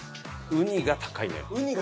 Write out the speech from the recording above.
ウニが高い？